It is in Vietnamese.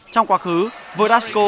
trong quá khứ verdasco